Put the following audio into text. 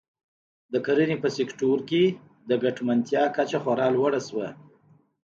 د کرنې په سکتور کې ګټمنتیا کچه خورا لوړه شوه.